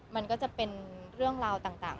มันก็จะเป็นเรื่องราวต่าง